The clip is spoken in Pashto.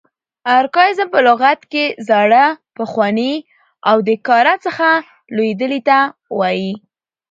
ارکاییزم په لغت کښي زاړه، پخواني او د کاره څخه لوېدلي ته وایي.